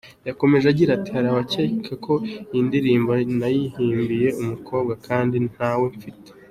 Yakomeje agira ati: “Hari abakeka ko iyi ndirimbo nayihimbiye umukobwa kandi ntawe mfite.